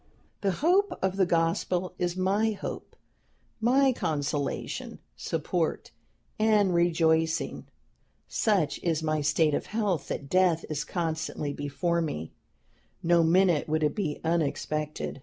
"The hope of the gospel is my hope, my consolation, support and rejoicing. Such is my state of health that death is constantly before me; no minute would it be unexpected.